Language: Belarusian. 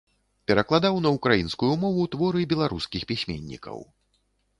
Перакладаў на ўкраінскую мову творы беларускіх пісьменнікаў.